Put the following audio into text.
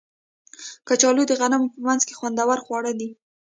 کچالو د غمونو په منځ کې خوندور خواړه دي